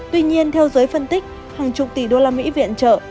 tuy nhiên theo giới phân tích hàng chục tỷ usd viện trợ